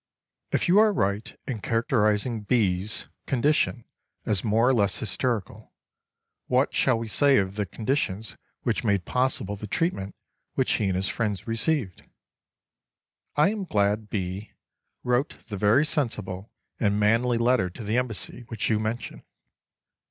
If you are right in characterizing B——'s condition as more or less hysterical, what shall we say of the conditions which made possible the treatment which he and his friend received? I am glad B—— wrote the very sensible and manly letter to the Embassy, which you mention.